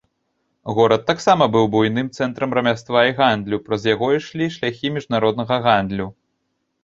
Горад таксама быў буйным цэнтрам рамяства і гандлю, праз яго ішлі шляхі міжнароднага гандлю.